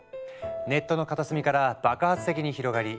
ネットの片隅から爆発的に広がり